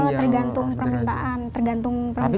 tergantung permintaan tergantung permintaan konsumen